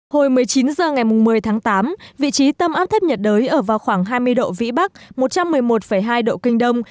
hồi một mươi chín h ngày một mươi tháng tám vị trí tâm áp thấp nhiệt đới ở vào khoảng hai mươi độ vĩ bắc một trăm một mươi một hai độ kinh đông